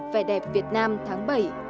về đẹp việt nam tháng bảy